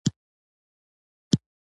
غیرتمند د شهید ویاړ ساتي